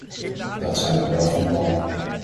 Dat zijn we wel van plan.